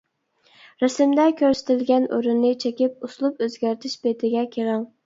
رەسىمدە كۆرسىتىلگەن ئورۇننى چېكىپ ئۇسلۇب ئۆزگەرتىش بېتىگە كىرىڭ.